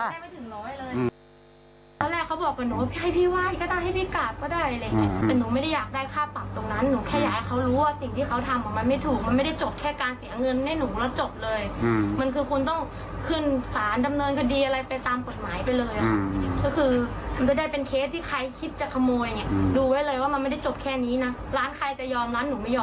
ดูไว้เลยว่ามันไม่ได้จบแค่นี้นะร้านใครจะยอมร้านหนูไม่ยอม